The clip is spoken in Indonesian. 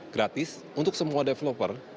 gratis untuk semua developer